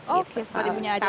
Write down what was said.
oke sekuat ibunya aja